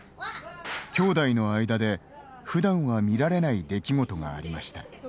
きょうだいの間で、ふだんは見られない出来事がありました。